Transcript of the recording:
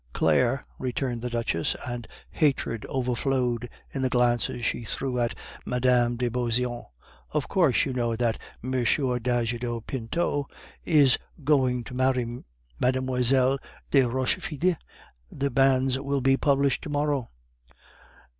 "Claire," returned the Duchess, and hatred overflowed in the glances she threw at Mme. de Beauseant; "of course you know that M. d'Ajuda Pinto is going to marry Mlle. de Rochefide; the bans will be published to morrow."